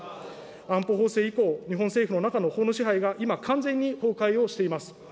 安保法制以降、日本政府の中の法の支配が今、完全に崩壊をしています。